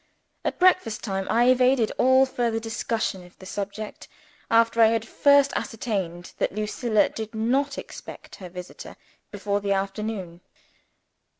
At breakfast time, I evaded all further discussion of the subject, after I had first ascertained that Lucilla did not expect her visitor before the afternoon.